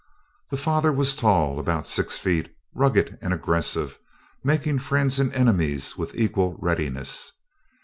The father was tall, about six feet, rugged and aggressive, making friends and enemies with equal readiness.